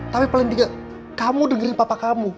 tapi paling tidak kamu dengerin papa kamu